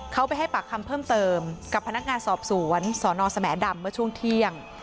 เขาไปให้ปากคำเพิ่มเติมกับพนักงานสอบสวนสนสแหมดำเมื่อช่วงเที่ยง